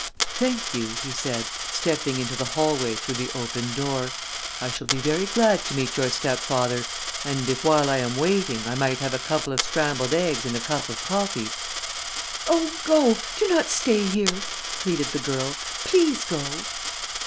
"Thank you," he said, stepping into the hallway through the open door. "I shall be very glad to meet your stepfather, and if, while I am waiting, I might have a couple of scrambled eggs and a cup of coffee " "Oh, go! Do not stay here!" pleaded the girl. "Please go!"